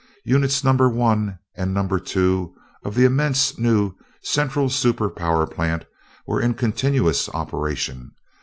Units Number One and Number Two of the immense new central super power plant were in continuous operation.